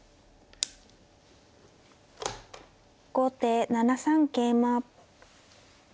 後手７三桂馬。